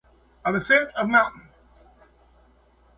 An ascent of Mt.